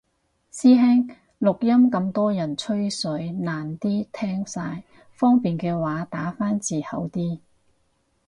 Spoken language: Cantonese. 師兄，錄音咁多人吹水難啲聽晒，方便嘅話打返字好啲